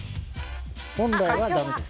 本来はだめです。